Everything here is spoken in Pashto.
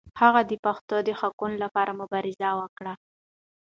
هغه د پښتنو د حقونو لپاره مبارزه وکړه.